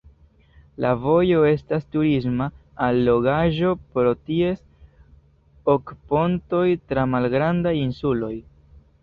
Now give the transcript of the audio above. La vojo estas turisma allogaĵo pro ties ok pontoj tra malgrandaj insuloj.